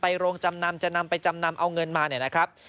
โรงจำนำจะนำไปจำนำเอาเงินมาเนี่ยนะครับ